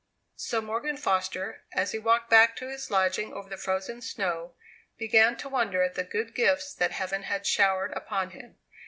So Morgan Foster, as he walked back to his lodging over the frozen snow, began to wonder at the good gifts that Heaven had showered upon him.